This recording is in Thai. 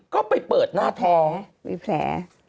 ก็ไปเปิดหน้าท้องมีแผล